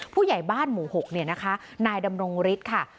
ผู้ใหญ่บ้านหมู่๖เนี่ยนะคะนายดำรงฤทธิ์ค่ะ